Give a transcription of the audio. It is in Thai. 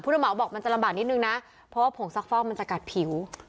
ระเหมาบอกมันจะลำบากนิดนึงนะเพราะว่าผงซักฟอกมันจะกัดผิว